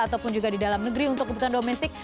ataupun juga di dalam negeri untuk kebutuhan domestik